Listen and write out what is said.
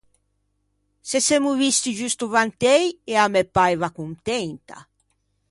Se semmo visti giusto vantëi e a me paiva contenta.